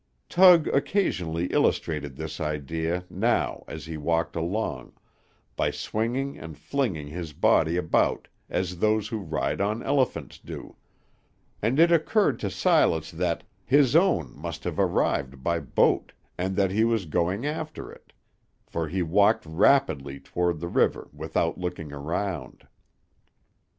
Tug occasionally illustrated this idea now as he walked along, by swinging and flinging his body about as those who ride on elephants do, and it occurred to Silas that "his own" must have arrived by boat, and that he was going after it; for he walked rapidly toward the river without looking around.